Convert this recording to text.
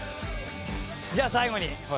じゃあ最後に。